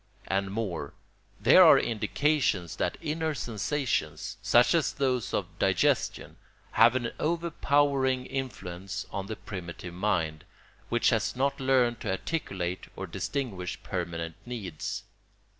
And more: there are indications that inner sensations, such as those of digestion, have an overpowering influence on the primitive mind, which has not learned to articulate or distinguish permanent needs.